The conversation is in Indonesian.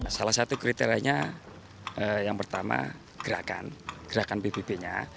salah satu kriterianya yang pertama gerakan gerakan pbb nya